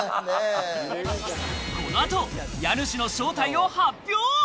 この後、家主の正体を発表。